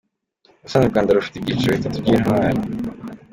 Ubusanzwe u Rwanda rufite ibyiciro bitatu by’intwari.